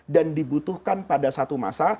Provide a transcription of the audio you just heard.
dan dibutuhkan pada satu masa